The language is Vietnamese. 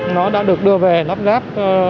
nó đã được đưa về lắp ráp